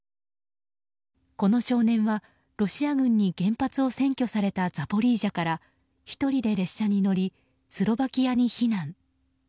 この少年はロシア軍に原発を占拠されたザポリージャから１人で列車に乗りスロバキアに避難。